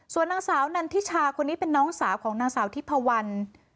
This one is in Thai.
ส่วนนางสาวนันทิชาคนนี้เป็นน้องสาวของนางสาวทิพวัน